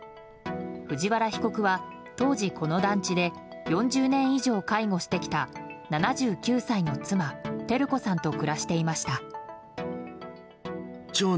藤原被告は当時この団地で４０年以上介護してきた７９歳の妻・照子さんと暮らしていました。